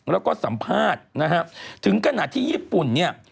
เขาก็สัมภาษณ์นะฮะถึงกระหนักที่ญี่ปุ่นเนี่ย